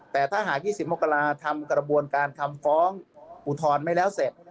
แต่ถ้าหาก๒๐มกราทำกระบวนการคำฟ้องอุทธรณ์ไม่แล้วเสร็จ